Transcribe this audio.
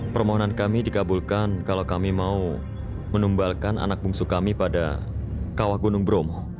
permohonan kami dikabulkan kalau kami mau menumbalkan anak bungsu kami pada kawah gunung bromo